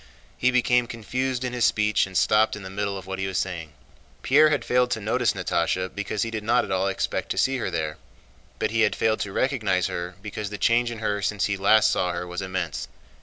He became confused in his speech and stopped in the middle of what he was saying. Pierre had failed to notice Natásha because he did not at all expect to see her there, but he had failed to recognize her because the change in her since he last saw her was immense.